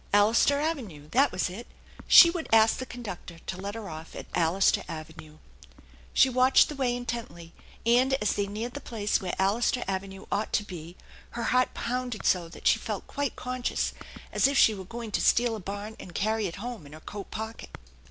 Allister Avenue! That was it. She would ask the conductor to let her off at Allister Avenue. She watched the way intently; and, as they neared the place where Allister Avenue ought to be, her heart pounded so that she felt quite conscious, as if she were going to steal a barn and carry it home in her coat pocket.